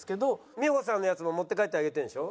美穂さんのやつも持って帰ってあげてるんでしょ？